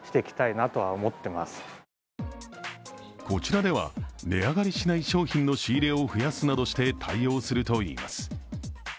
こちらでは値上がりしない商品の仕入れを増やすなどして対応するといいます。